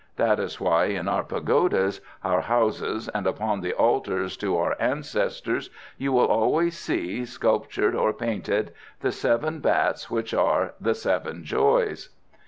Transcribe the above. That is why in our pagodas, our houses and upon the altars to our ancestors you will always see, sculptured or painted, the seven bats which are 'The Seven Joys.'